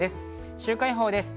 週間予報です。